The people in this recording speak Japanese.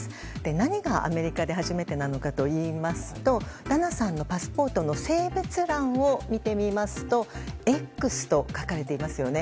何がアメリカで初めてなのかといいますとダナさんのパスポートの性別欄を見てみますと「Ｘ」と書かれていますね。